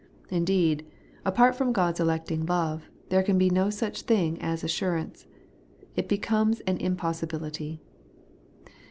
Indeed, apart from God's electing love, there can be no such thing as assurance. It becomes an impos sibility.